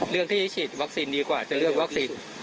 เรื่องที่จะฉีดวัคซีนดีกว่าจะเลือกวัคซีน